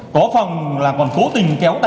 cổ phòng là quản phố tình kéo tay